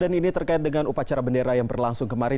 ini terkait dengan upacara bendera yang berlangsung kemarin